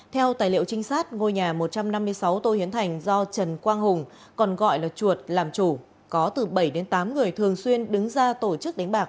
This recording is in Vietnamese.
theo tài liệu trinh sát ngôi nhà một trăm năm mươi sáu tô hiến thành do trần quang hùng còn gọi là chuột làm chủ có từ bảy đến tám người thường xuyên đứng ra tổ chức đánh bạc